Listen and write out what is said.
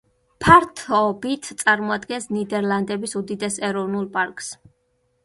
ფართობით წარმოადგენს ნიდერლანდების უდიდეს ეროვნულ პარკს.